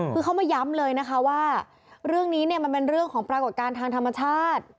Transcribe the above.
คือเขามาย้ำเลยนะคะว่าเรื่องนี้เนี่ยมันเป็นเรื่องของปรากฏการณ์ทางธรรมชาติ